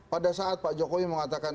pada saat pak jokowi mengatakan